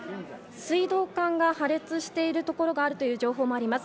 水道管が破裂しているところがあるという情報もあります。